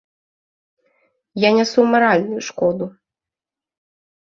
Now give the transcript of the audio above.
Я нясу маральную шкоду.